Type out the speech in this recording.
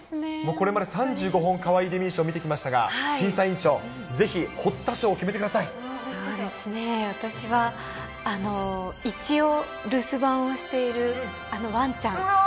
これまで３５本、かわいいデミー賞見てきましたが、審査委員長、そうですね、私は、一応留守番をしているあのわんちゃん。